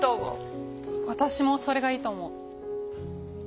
私もそれがいいと思う。